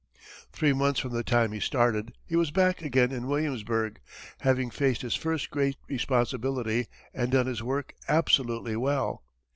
Three months from the time he started, he was back again in Williamsburg, having faced his first great responsibility, and done his work absolutely well.